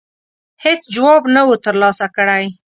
هېڅ جواب نه وو ترلاسه کړی.